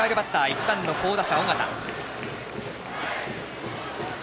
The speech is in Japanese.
１番の好打者、緒方。